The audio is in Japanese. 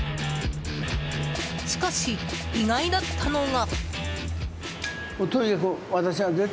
しかし、意外だったのが。